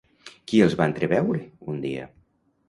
Qui els va entreveure, un dia?